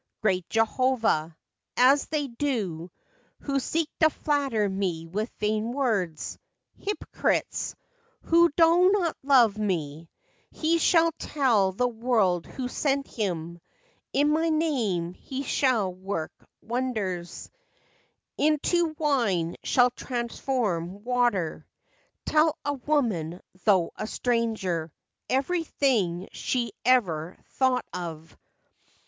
Great Jehovah !' as they do who Seek to flatter me with vain words. Hypocrites! who do not love me ! He shall tell the world who sent him; In my name he shall work wonders; Into wine shall transform water; Tell a woman, tho' a stranger, Every thing she ever thought of; no FACTS AND FANCIES.